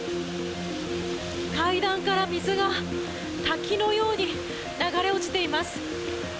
階段から水が滝のように流れ落ちています。